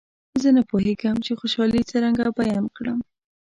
زه نه پوهېږم چې خوشالي څرنګه بیان کړم.